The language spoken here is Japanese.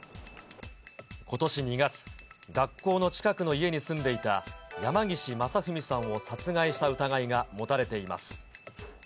ことし２月、学校の近くの家に住んでいた山岸正文さんを殺害した疑いが持たれています。